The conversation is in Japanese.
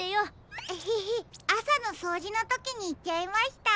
エヘヘあさのそうじのときにいっちゃいました。